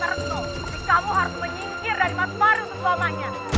tapi kamu harus menyingkir dari mas fadil dan mamanya